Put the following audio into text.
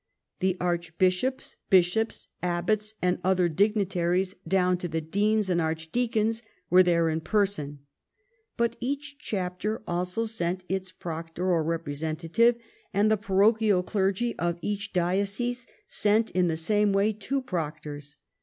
The archbishops, bishops, abbots, and other dignitaries down to the deans and archdeacons, were there in person ; but each chapter also sent its proctor or representative, and the parochial clergy of each diocese sent in the same way two proctors.